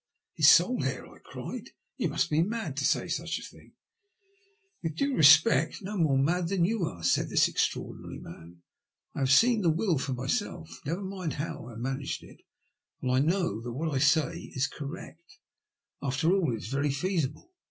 His sole heir ?" I cried. " You must be mad to say such a thing." " With due respect, no more mad than you are," said this extraordinary man. I have seen the will for myself — never mind how I managed it — and I know that what I say is correct. After all, it is very feasible.